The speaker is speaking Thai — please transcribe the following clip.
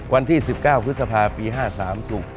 วันที่๑๙พฤษภาปี๕๓ถูก